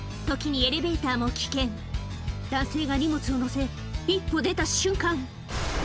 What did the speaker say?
時にエレベーターも危険男性が荷物をのせ一歩出た瞬間